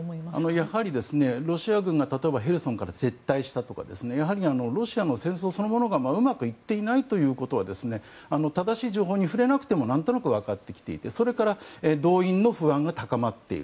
やはりロシア軍が例えばへルソンから撤退したとかロシアの戦争そのものがうまくいっていないということは正しい情報に触れなくても何となく分かってきていてそれから、動員の不安が高まっている。